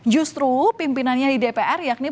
justru pimpinannya di dpr yakni puan maharani tak hadir